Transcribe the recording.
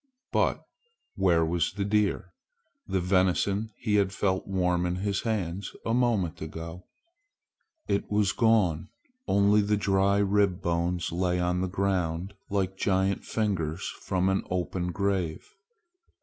But where was the deer the venison he had felt warm in his hands a moment ago? It was gone. Only the dry rib bones lay on the ground like giant fingers from an open grave.